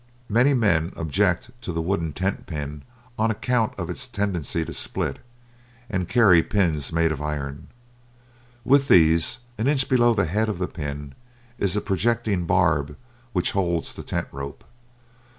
Many men object to the wooden tent pin on account of its tendency to split, and carry pins made of iron. With these, an inch below the head of the pin is a projecting barb which holds the tent rope.